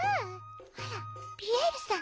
あらピエールさん。